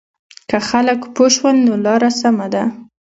که خلک پوه شول نو لاره سمه ده.